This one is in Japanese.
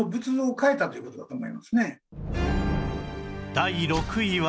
第６位は